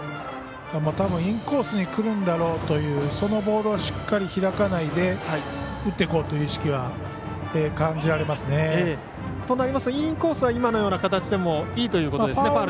たぶんインコースにくるんだろうというそのボールをしっかり開かないで打っていこうという意識はとなりますとインコースは今のような形でもいいということですね。